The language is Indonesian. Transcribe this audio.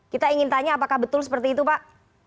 kita ingin tanya apakah betul seperti itu pak